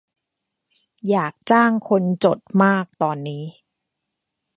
อยากจ้างคนจด มากตอนนี้